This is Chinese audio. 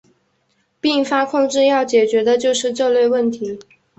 并发控制要解决的就是这类问题。